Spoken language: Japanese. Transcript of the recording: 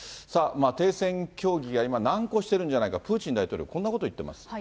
さあ、停戦協議が今、難航しているんじゃないか、プーチン大統領、こんなこと言っています。